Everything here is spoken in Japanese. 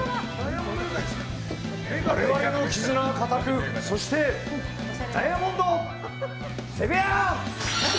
我々の絆は固くそしてダイアモンド！